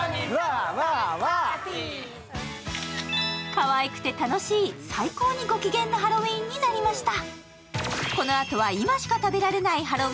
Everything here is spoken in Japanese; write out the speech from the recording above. かわいくて楽しい最高にご機嫌なハロウィーンになりました。